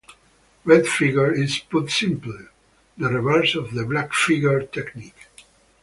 Red figure is, put simply, the reverse of the black figure technique.